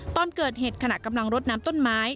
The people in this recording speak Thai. ตอนเกิดเหตุขณะกำลังรดน้ำต้นไม้